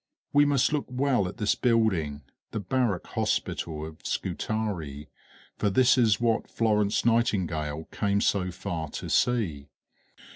We must look well at this building, the Barrack Hospital of Scutari, for this is what Florence Nightingale came so far to see.